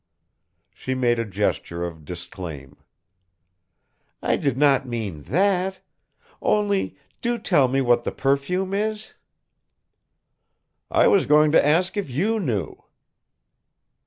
She made a gesture of disclaim. "I did not mean that! Only, do tell me what the perfume is?" "I was going to ask if you knew."